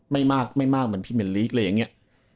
ไม่มากไม่มากเหมือนพี่เมนลีกอะไรอย่างนี้